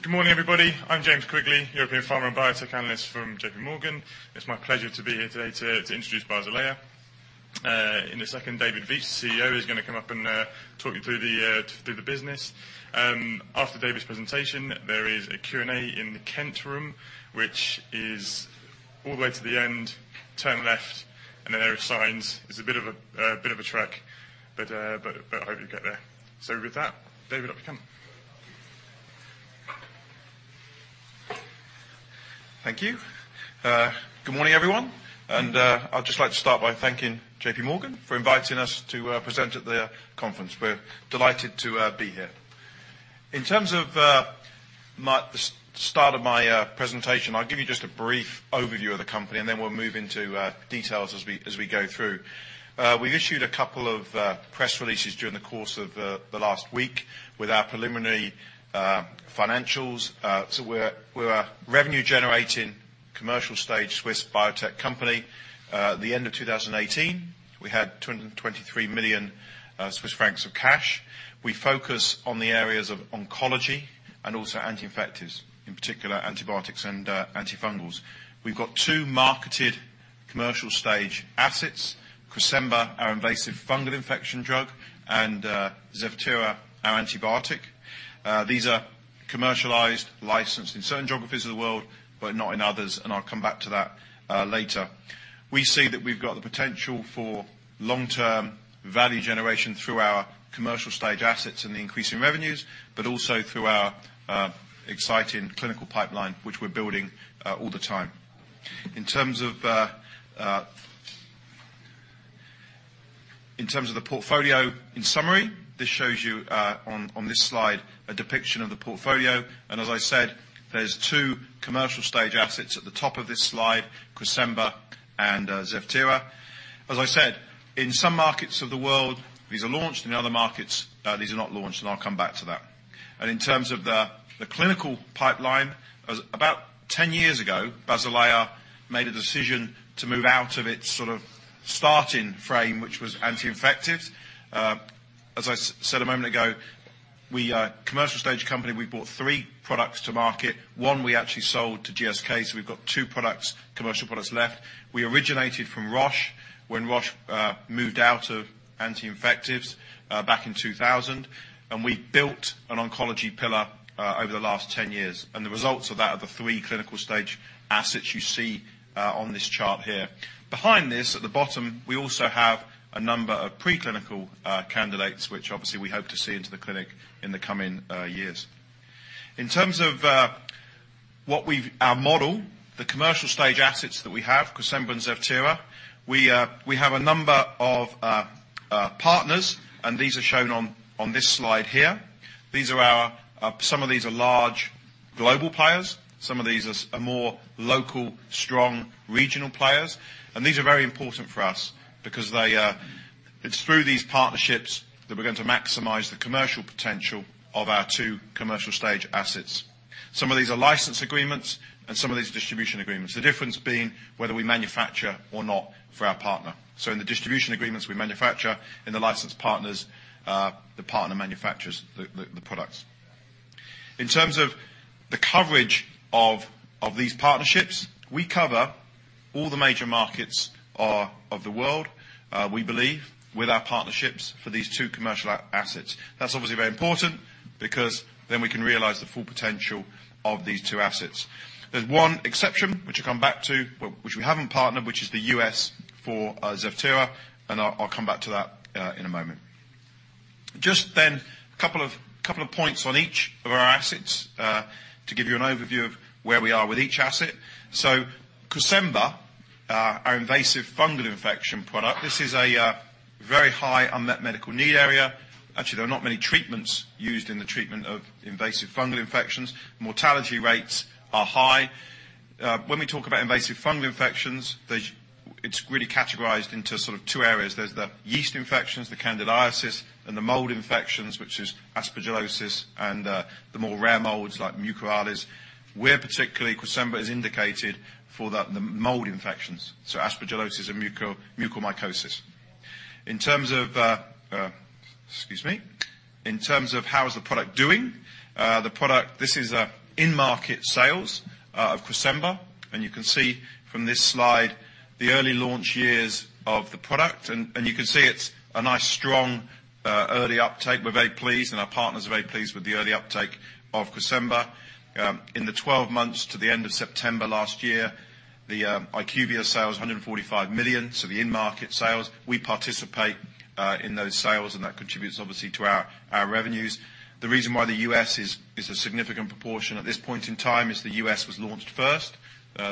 Good morning, everybody. I'm James Quigley, European Pharma and Biotech analyst from JP Morgan. It's my pleasure to be here today to introduce Basilea. In a second, David Veitch, CEO, is going to come up and talk you through the business. After David's presentation, there is a Q&A in the Kent Room, which is all the way to the end, turn left and there are signs. It's a bit of a trek, but I hope you'll get there. With that, David, up you come. Thank you. Good morning, everyone. I'd just like to start by thanking JP Morgan for inviting us to present at their conference. We're delighted to be here. In terms of the start of my presentation, I'll give you just a brief overview of the company, and then we'll move into details as we go through. We've issued a couple of press releases during the course of the last week with our preliminary financials. We're a revenue-generating, commercial-stage Swiss biotech company. At the end of 2018, we had 223 million Swiss francs of cash. We focus on the areas of oncology and also anti-infectives. In particular, antibiotics and antifungals. We've got two marketed commercial-stage assets, Cresemba, our invasive fungal infection drug, and Zevtera, our antibiotic. These are commercialized, licensed in certain geographies of the world, but not in others, and I'll come back to that later. We see that we've got the potential for long-term value generation through our commercial-stage assets and the increase in revenues, but also through our exciting clinical pipeline, which we're building all the time. In terms of the portfolio, in summary, this shows you, on this slide, a depiction of the portfolio. As I said, there's two commercial-stage assets at the top of this slide, Cresemba and Zevtera. As I said, in some markets of the world, these are launched. In other markets, these are not launched, and I'll come back to that. In terms of the clinical pipeline, about 10 years ago, Basilea made a decision to move out of its sort of starting frame, which was anti-infectives. As I said a moment ago, we are a commercial-stage company. We brought three products to market. One we actually sold to GSK, so we've got two commercial products left. We originated from Roche when Roche moved out of anti-infectives back in 2000, and we built an oncology pillar over the last 10 years. The results of that are the three clinical-stage assets you see on this chart here. Behind this, at the bottom, we also have a number of preclinical candidates, which obviously we hope to see into the clinic in the coming years. In terms of our model, the commercial-stage assets that we have, Cresemba and Zevtera, we have a number of partners, and these are shown on this slide here. Some of these are large global players, some of these are more local, strong regional players. These are very important for us because it's through these partnerships that we're going to maximize the commercial potential of our two commercial-stage assets. Some of these are license agreements and some of these are distribution agreements. The difference being whether we manufacture or not for our partner. In the distribution agreements we manufacture, in the license partners, the partner manufactures the products. In terms of the coverage of these partnerships, we cover all the major markets of the world, we believe, with our partnerships for these two commercial assets. That is obviously very important, we can realize the full potential of these two assets. There is one exception, which I will come back to, which we haven't partnered, which is the U.S. for Zevtera. I will come back to that in a moment. A couple of points on each of our assets, to give you an overview of where we are with each asset. Cresemba, our invasive fungal infection product. This is a very high unmet medical need area. There are not many treatments used in the treatment of invasive fungal infections. Mortality rates are high. When we talk about invasive fungal infections, it is really categorized into two areas. There is the yeast infections, the candidiasis, and the mold infections, which is aspergillosis and the more rare molds like Mucorales. We are particularly, Cresemba, is indicated for the mold infections, so aspergillosis and mucormycosis. In terms of how is the product doing. This is in-market sales of Cresemba. You can see from this slide the early launch years of the product. You can see it is a nice, strong early uptake. We are very pleased and our partners are very pleased with the early uptake of Cresemba. In the 12 months to the end of September last year, the IQVIA sale is $145 million, so the in-market sales. That contributes obviously to our revenues. The reason why the U.S. is a significant proportion at this point in time is the U.S. was launched first.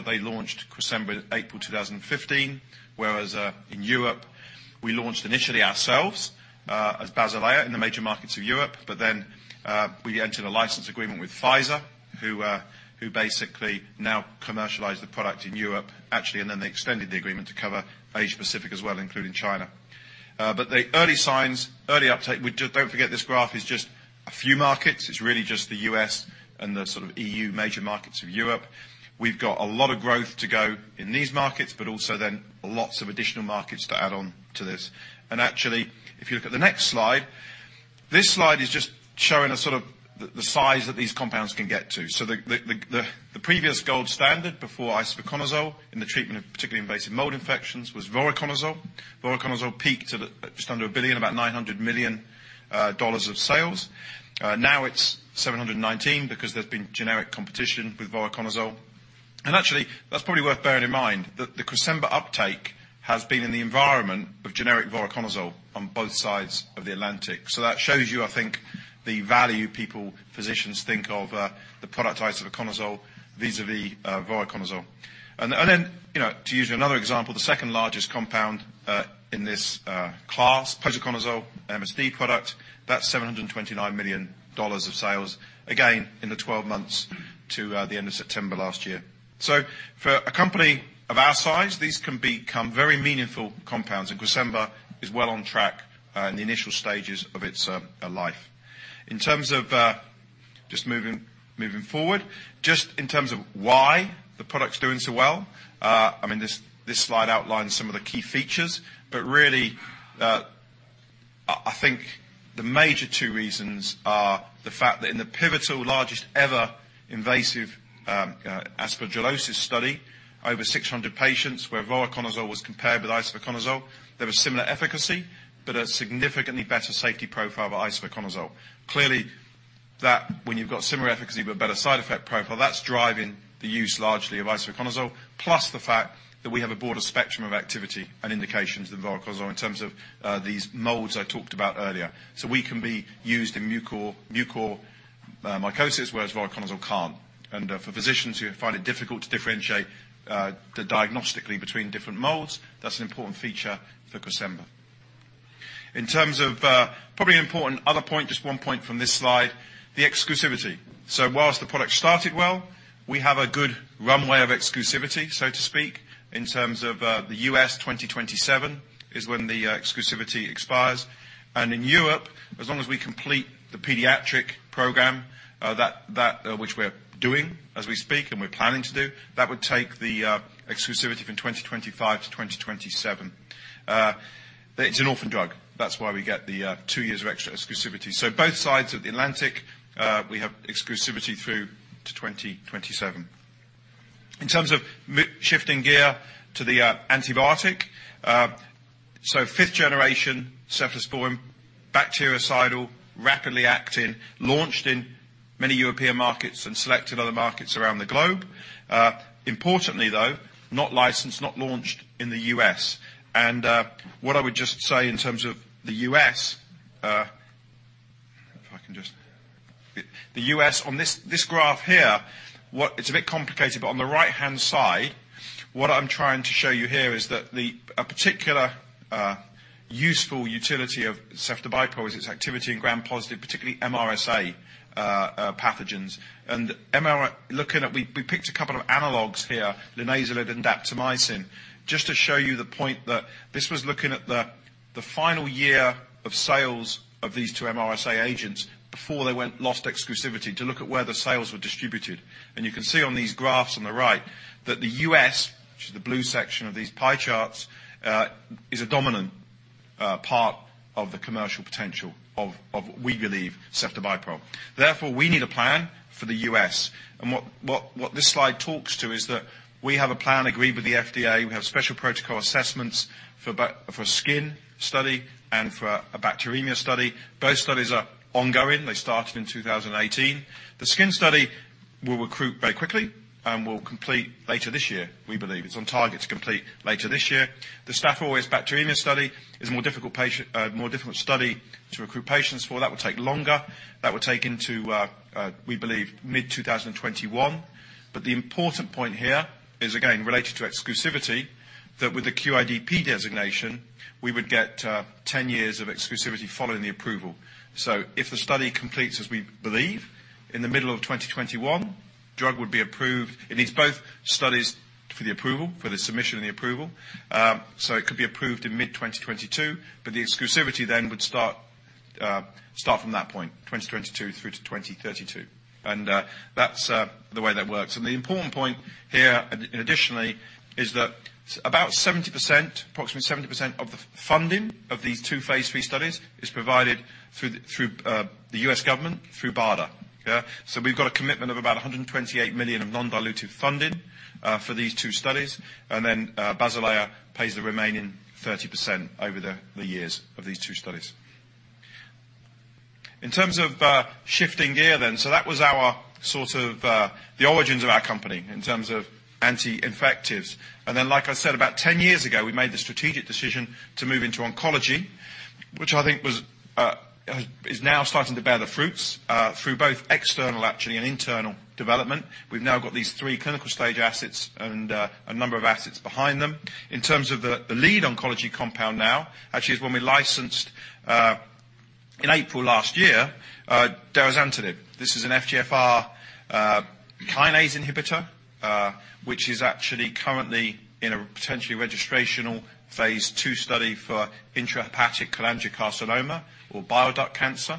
They launched Cresemba April 2015. We launched initially ourselves, as Basilea in the major markets of Europe. We entered a license agreement with Pfizer, who basically now commercialize the product in Europe. They extended the agreement to cover Asia Pacific as well, including China. The early signs, early uptake, do not forget this graph is just a few markets. It is really just the U.S. and the EU major markets of Europe. We have got a lot of growth to go in these markets, lots of additional markets to add on to this. If you look at the next slide. This slide is just showing the size that these compounds can get to. The previous gold standard before isavuconazole in the treatment of particularly invasive mold infections was voriconazole. Voriconazole peaked at just under a billion, about $900 million of sales. Now it is $719 million because there has been generic competition with voriconazole. That is probably worth bearing in mind that the Cresemba uptake has been in the environment of generic voriconazole on both sides of the Atlantic. That shows you, I think, the value people, physicians think of the product isavuconazole, vis-a-vis voriconazole. To use another example, the second-largest compound, in this class, posaconazole MSD product, that is $729 million of sales, again, in the 12 months to the end of September last year. For a company of our size, these can become very meaningful compounds. Cresemba is well on track in the initial stages of its life. In terms of just moving forward, just in terms of why the product's doing so well, this slide outlines some of the key features. Really, I think the major two reasons are the fact that in the pivotal largest ever invasive aspergillosis study, over 600 patients where voriconazole was compared with isavuconazole, there was similar efficacy, but a significantly better safety profile for isavuconazole. Clearly, that when you've got similar efficacy but better side effect profile, that's driving the use largely of isavuconazole, plus the fact that we have a broader spectrum of activity and indications than voriconazole in terms of these molds I talked about earlier. We can be used in mucormycosis, whereas voriconazole can't. For physicians who find it difficult to differentiate diagnostically between different molds, that's an important feature for Cresemba. In terms of, probably an important other point, just one point from this slide, the exclusivity. Whilst the product started well, we have a good runway of exclusivity, so to speak, in terms of the U.S. 2027 is when the exclusivity expires. In Europe, as long as we complete the pediatric program, which we're doing as we speak and we're planning to do, that would take the exclusivity from 2025 to 2027. It's an orphan drug. That's why we get the two years of extra exclusivity. Both sides of the Atlantic, we have exclusivity through to 2027. In terms of shifting gear to the antibiotic. Fifth generation, cephalosporin, bactericidal, rapidly acting, launched in many European markets and selected other markets around the globe. Importantly, though, not licensed, not launched in the U.S. What I would just say in terms of the U.S., if I can just The U.S., on this graph here, it's a bit complicated, but on the right-hand side, what I'm trying to show you here is that a particular useful utility of cefepime is its activity in gram-positive, particularly MRSA pathogens. We picked a couple of analogs here, linezolid and daptomycin, just to show you the point that this was looking at the final year of sales of these two MRSA agents before they lost exclusivity to look at where the sales were distributed. You can see on these graphs on the right that the U.S., which is the blue section of these pie charts, is a dominant part of the commercial potential of what we believe ceftobiprole. Therefore, we need a plan for the U.S. What this slide talks to is that we have a plan agreed with the FDA. We have Special Protocol Assessments for skin study and for a bacteremia study. Both studies are ongoing. They started in 2018. The skin study will recruit very quickly and will complete later this year, we believe. It's on target to complete later this year. The Staphylococcus aureus bacteremia study is a more difficult study to recruit patients for. That will take longer. That will take into, we believe, mid-2021. The important point here is, again, related to exclusivity, that with the QIDP designation, we would get 10 years of exclusivity following the approval. If the study completes, as we believe, in the middle of 2021, drug would be approved. It needs both studies for the approval, for the submission and the approval. It could be approved in mid-2022, but the exclusivity then would start from that point, 2022 through to 2032. That's the way that works. The important point here additionally is that approximately 70% of the funding of these two phase III studies is provided through the U.S. government through BARDA. We've got a commitment of about 128 million of non-dilutive funding for these two studies. Basilea pays the remaining 30% over the years of these two studies. In terms of shifting gear then, that was the origins of our company in terms of anti-infectives. Like I said, about 10 years ago, we made the strategic decision to move into oncology, which I think is now starting to bear the fruits, through both external, actually, and internal development. We've now got these three clinical stage assets and a number of assets behind them. In terms of the lead oncology compound now, actually is when we licensed, in April last year, derazantinib. This is an FGFR kinase inhibitor, which is actually currently in a potentially registrational phase II study for intrahepatic cholangiocarcinoma or bile duct cancer.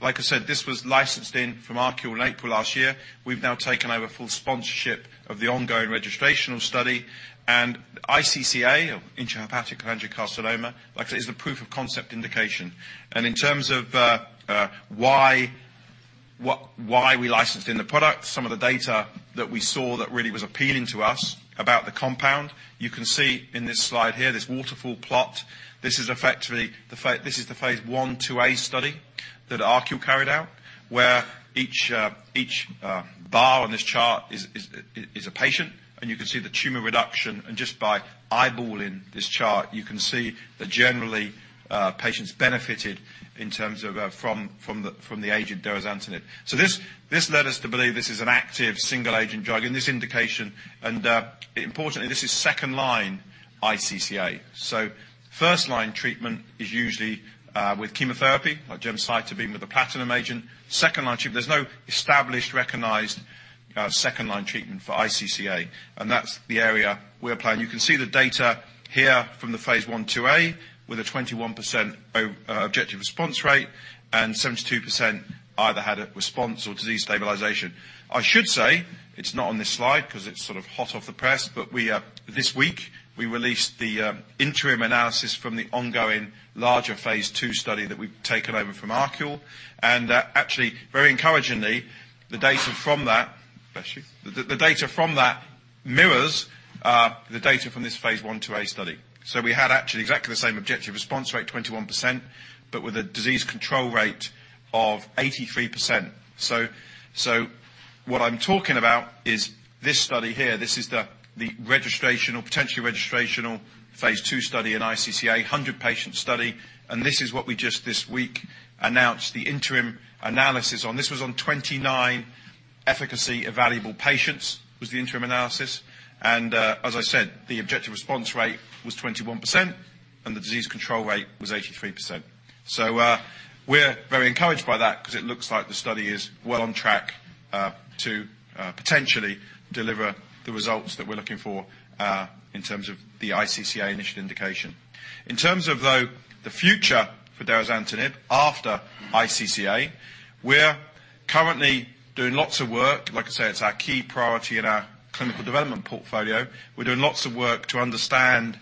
Like I said, this was licensed in from ArQule in April last year. We've now taken over full sponsorship of the ongoing registrational study. iCCA, intrahepatic cholangiocarcinoma, like I said, is a proof of concept indication. In terms of why we licensed in the product, some of the data that we saw that really was appealing to us about the compound, you can see in this slide here, this waterfall plot. This is the Phase I/IIa study that ArQule carried out, where each bar on this chart is a patient. You can see the tumor reduction. Just by eyeballing this chart, you can see that generally, patients benefited in terms of from the agent derazantinib. This led us to believe this is an active single agent drug in this indication. Importantly, this is second-line iCCA. First-line treatment is usually with chemotherapy, like gemcitabine with a platinum agent. Second-line, there's no established, recognized second-line treatment for iCCA, and that's the area we're playing. You can see the data here from the Phase I/IIa with a 21% objective response rate and 72% either had a response or disease stabilization. I should say, it's not on this slide because it's sort of hot off the press, but this week we released the interim analysis from the ongoing larger Phase II study that we've taken over from ArQule. Very encouragingly. The data from that mirrors the data from this Phase I/IIa study. We had actually exactly the same objective response rate, 21%, but with a disease control rate of 83%. What I'm talking about is this study here. This is the registrational, potential registrational Phase II study in iCCA, 100-patient study. This is what we just this week announced the interim analysis on. This was on 29 efficacy-evaluable patients, was the interim analysis. As I said, the objective response rate was 21% and the disease control rate was 83%. We're very encouraged by that because it looks like the study is well on track to potentially deliver the results that we're looking for in terms of the iCCA initial indication. In terms of, though, the future for derazantinib after iCCA, we're currently doing lots of work. Like I say, it's our key priority in our clinical development portfolio. We're doing lots of work to understand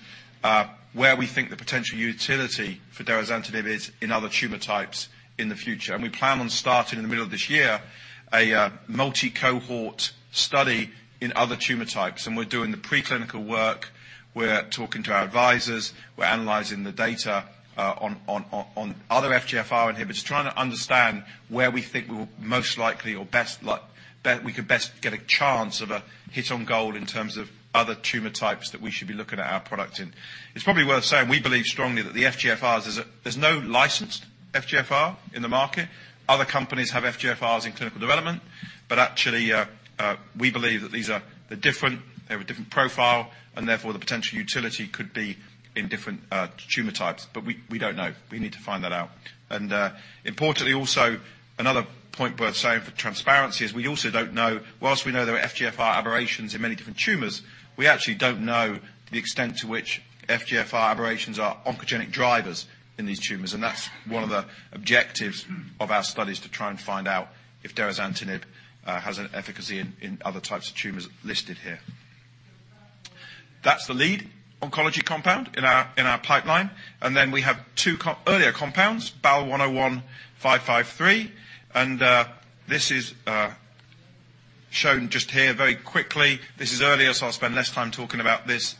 where we think the potential utility for derazantinib is in other tumor types in the future. We plan on starting in the middle of this year a multicohort study in other tumor types. We're doing the preclinical work, we're talking to our advisors, we're analyzing the data on other FGFR inhibitors, trying to understand where we think we will most likely or we could best get a chance of a hit on goal in terms of other tumor types that we should be looking at our product in. It's probably worth saying, we believe strongly that the FGFRs, there's no licensed FGFR in the market. Other companies have FGFRs in clinical development. Actually, we believe that these are different. They have a different profile and therefore the potential utility could be in different tumor types. We don't know. We need to find that out. Importantly, also, another point worth saying for transparency is we also don't know, whilst we know there are FGFR aberrations in many different tumors, we actually don't know the extent to which FGFR aberrations are oncogenic drivers in these tumors. That's one of the objectives of our studies, to try and find out if derazantinib has an efficacy in other types of tumors listed here. That's the lead oncology compound in our pipeline. We have two earlier compounds, BAL101553, and this is shown just here very quickly. This is earlier, so I'll spend less time talking about this.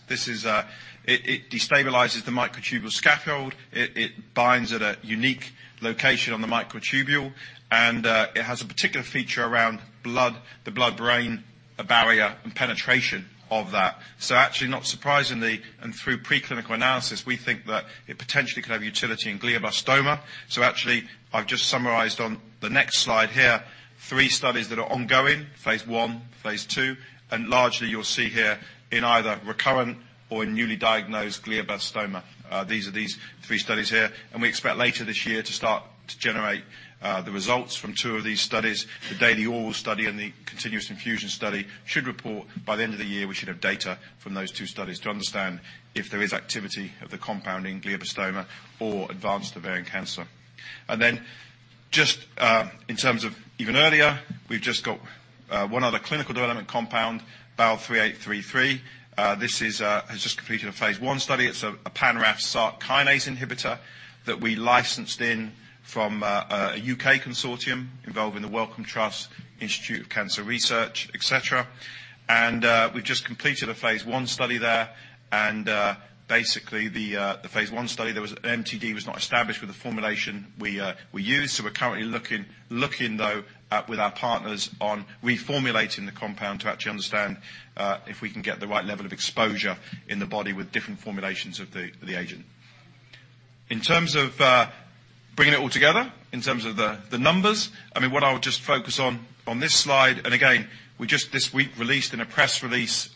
It destabilizes the microtubule scaffold. It binds at a unique location on the microtubule, and it has a particular feature around the blood-brain barrier and penetration of that. Actually, not surprisingly, and through preclinical analysis, we think that it potentially could have utility in glioblastoma. Actually, I've just summarized on the next slide here three studies that are ongoing, phase I, phase II, and largely you'll see here in either recurrent or in newly diagnosed glioblastoma. These are these three studies here. We expect later this year to start to generate the results from two of these studies. The daily oral study and the continuous infusion study should report by the end of the year. We should have data from those two studies to understand if there is activity of the compound in glioblastoma or advanced ovarian cancer. Just in terms of even earlier, we've just got one other clinical development compound, BAL-3833. This has just completed a phase I study. It's a pan-RAF/SRC kinase inhibitor that we licensed in from a U.K. consortium involving the Wellcome Trust, Institute of Cancer Research, et cetera. We've just completed a phase I study there. Basically, the phase I study, MTD was not established with the formulation we used. We're currently looking, though, with our partners on reformulating the compound to actually understand if we can get the right level of exposure in the body with different formulations of the agent. In terms of bringing it all together, in terms of the numbers, what I would just focus on on this slide, and again, we just this week released in a press release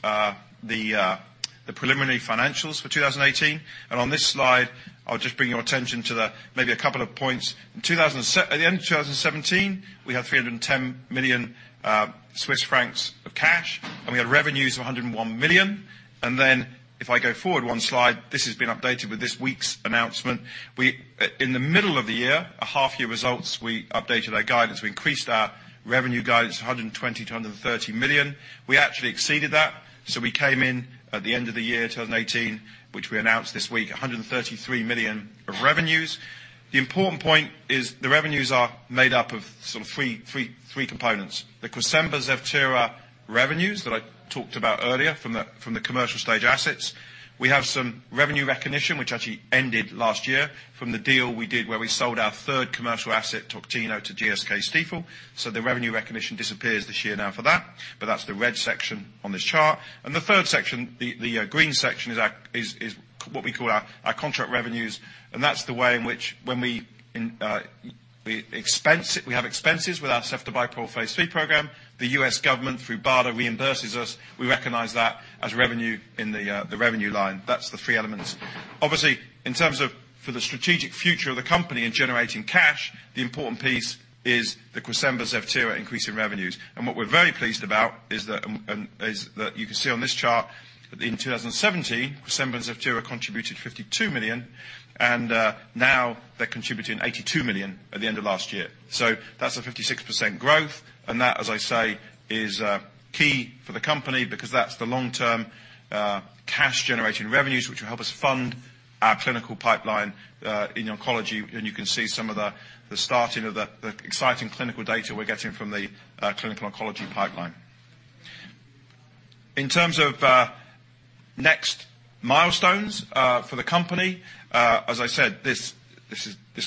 the preliminary financials for 2018. On this slide, I'll just bring your attention to maybe a couple of points. At the end of 2017, we had 310 million Swiss francs of cash, and we had revenues of 101 million. If I go forward one slide, this has been updated with this week's announcement. In the middle of the year, our half year results, we updated our guidance. We increased our revenue guidance 120 million-130 million. We actually exceeded that, so we came in at the end of the year 2018, which we announced this week, 133 million of revenues. The important point is the revenues are made up of sort of three components. The Cresemba, Zevtera revenues that I talked about earlier from the commercial stage assets. We have some revenue recognition, which actually ended last year from the deal we did where we sold our third commercial asset, Toctino, to GSK Stiefel. The revenue recognition disappears this year now for that, but that's the red section on this chart. The third section, the green section, is what we call our contract revenues, and that's the way in which when we have expenses with our ceftobiprole phase III program, the U.S. government, through BARDA, reimburses us. We recognize that as revenue in the revenue line. That's the three elements. Obviously, in terms of for the strategic future of the company in generating cash, the important piece is the Cresemba, Zevtera increase in revenues. What we're very pleased about is that you can see on this chart that in 2017, Cresemba, Zevtera contributed 52 million, and now they're contributing 82 million at the end of last year. That's a 56% growth, and that, as I say, is key for the company because that's the long-term, cash-generating revenues, which will help us fund our clinical pipeline, in oncology. You can see some of the starting of the exciting clinical data we're getting from the clinical oncology pipeline. In terms of next milestones for the company, as I said, this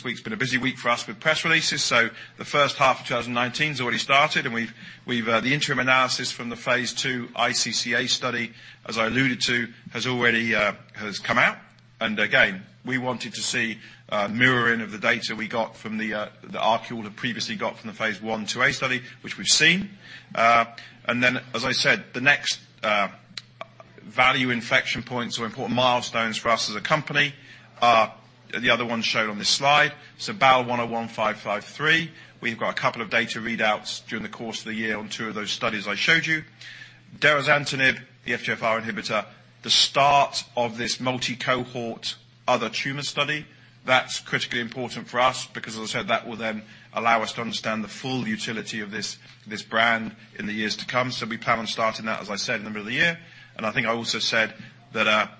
week's been a busy week for us with press releases. The first half of 2019's already started, and the interim analysis from the phase II iCCA study, as I alluded to, has come out. Again, we wanted to see mirroring of the data we got from the ArQule had previously got from the phase I-A study, which we've seen. As I said, the next value infection points or important milestones for us as a company are the other ones shown on this slide. BAL101553, we've got a couple of data readouts during the course of the year on two of those studies I showed you. Derazantinib, the FGFR inhibitor, the start of this multi-cohort other tumor study. That's critically important for us because, as I said, that will then allow us to understand the full utility of this brand in the years to come. We plan on starting that, as I said, in the middle of the year. I think I also said that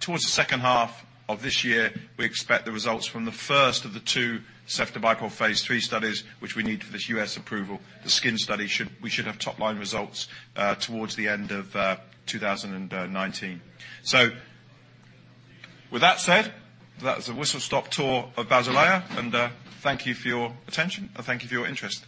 towards the second half of this year, we expect the results from the first of the two ceftobiprole phase III studies, which we need for this U.S. approval. The skin study, we should have top-line results towards the end of 2019. With that said, that's a whistle-stop tour of Basilea. Thank you for your attention, and thank you for your interest.